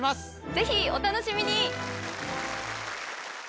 ぜひお楽しみに！